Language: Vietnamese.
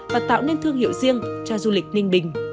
và tạo nên thương hiệu riêng cho du lịch ninh bình